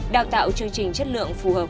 đào tạo chương trình chất lượng phù hợp